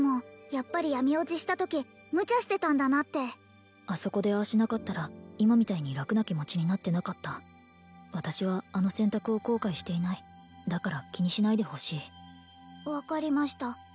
やっぱり闇堕ちしたときムチャしてたんだなってあそこでああしなかったら今みたいに楽な気持ちになってなかった私はあの選択を後悔していないだから気にしないでほしい分かりました